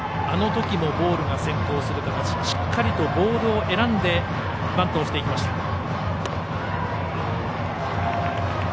あのときもボールが先行する形でしっかりとボールを選んでバントをしていきました。